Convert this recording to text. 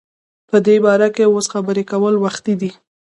په دی باره کی اوس خبری کول وختی دی